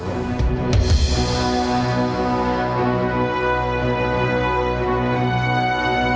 มันก็จะให้มันก้าวมากขึ้น